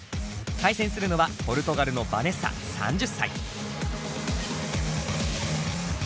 対戦するのはポルトガルのＶａｎｅｓｓａ３０歳。